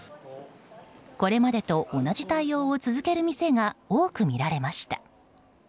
これまでと同じ対応を続ける店が多くみられました。